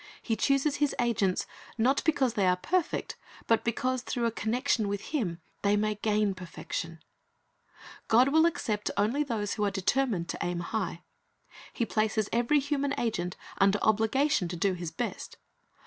He chooses His agents, not because they are perfect, but because, through a connection with Him, they may gain perfection. God will accept only those who are determined to aim high. He places every human agent under obligation to do his best.